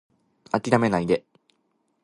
諦めないで